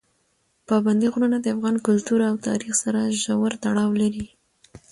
پابندي غرونه د افغان کلتور او تاریخ سره ژور تړاو لري.